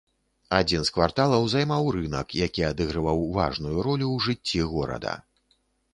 Адзін з кварталаў займаў рынак, які адыгрываў важную ролю ў жыцці горада.